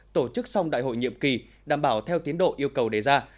tổ chức xong đại hội nhiệm kỳ đảm bảo theo tiến độ yêu cầu đề ra